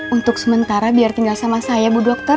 untuk sementara biar tinggal sama saya bu dokter